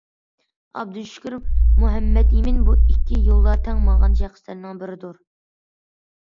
ئابدۇشۈكۈر مۇھەممەتئىمىن بۇ ئىككى يولدا تەڭ ماڭغان شەخسلەرنىڭ بىرىدۇر.